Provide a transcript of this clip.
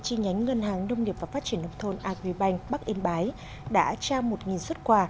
chi nhánh ngân hàng nông nghiệp và phát triển lục thôn a quỳ bành bắc yên bái đã trao một xuất quà